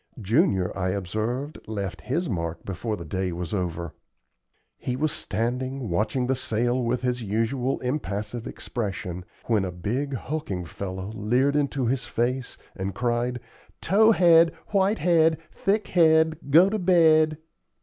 Junior, I observed, left his mark before the day was over. He was standing, watching the sale with his usual impassive expression, when a big, hulking fellow leered into his face and cried. "Tow head, white head, Thick head, go to bed."